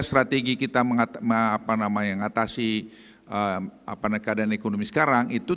strategi kita mengatasi apa yang apa nama yang mengatasi apa keadaan ekonomi sekarang itu